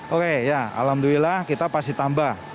oke ya alhamdulillah kita pasti tambah